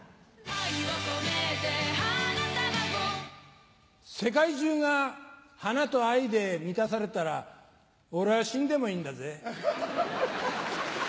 愛をこめて花束を世界中が花と愛で満たされたら俺は死んでもいいんだぜ。